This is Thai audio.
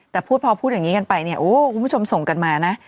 แต่พอพูดอย่างนี้กันไปเนี่ยโอ้คุณผู้ชมส่งกันมานะ